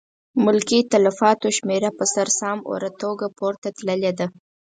ملکي تلفاتو شمېره په سر سام اوره توګه پورته تللې ده.